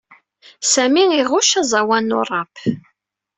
Sami iɣucc aẓawan n uṛap.